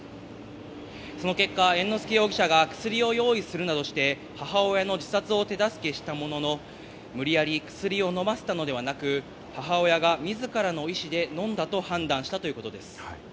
その結果、猿之助容疑者が薬を用意するなどして母親の自殺を手助けしたものの、無理やり薬を飲ませたのではなく、母親が自らの意思で飲んだと判断したということです。